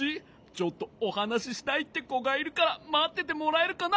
ちょっとおはなししたいってこがいるからまっててもらえるかな？